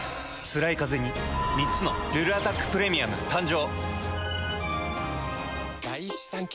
つらいカゼに３つの「ルルアタックプレミアム」誕生。